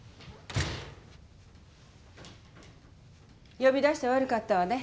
呼び出して悪かったわね。